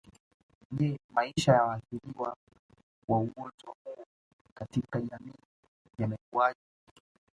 Je maisha ya waathiriwa wa ugonjwa huo katika jamii yamekuaje